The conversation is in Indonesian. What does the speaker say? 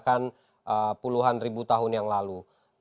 bahkan puluhan ribu tahun yang lalu